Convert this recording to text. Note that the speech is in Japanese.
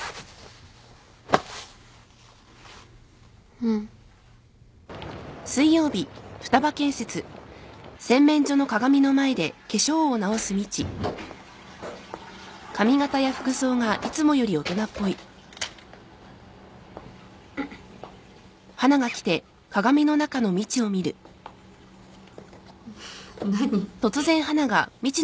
うん。何？